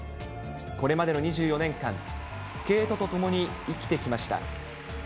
これまでの２４年間、スケートとともに生きてきました。